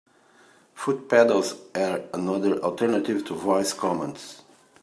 Foot pedals are another alternative to voice commands.